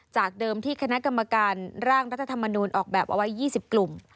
จากเดิมที่คณะกรรมการร่างรัฐธรรมนูญออกแบบเอาไว้๒๐กลุ่ม